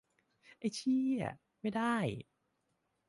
ไอ้เชี่ย ไม่ได้ !